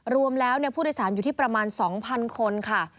รวมแล้วผู้โดยสารอยู่ที่ประมาณ๒๐๐คนค่ะ